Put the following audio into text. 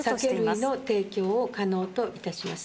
酒類の提供を可能といたします。